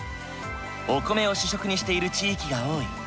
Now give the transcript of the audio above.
お米を主食にしている地域が多い。